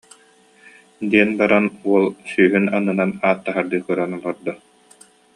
диэн баран, уол сүүһүн аннынан ааттаһардыы көрөн олордо